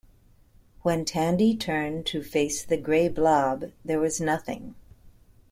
When Tandy turned to face the grey blob, there was nothing.